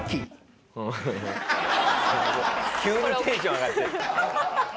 急にテンション上がって。